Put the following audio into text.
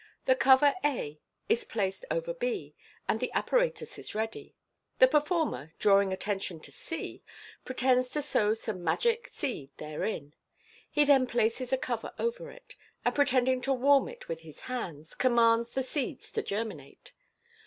The cover a is placed over b, and the apparatus is ready. The performer, drawing attention to c, pretends to sow some magic seed therein. He then places a over it, and pretending to warm it with his hands, commands the seeds to germinate.